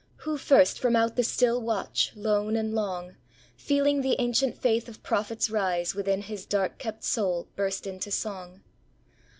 Who first from out the still watch, lone and long, Feeling the ancient faith of prophets rise Within his dark kept soul, burst into song?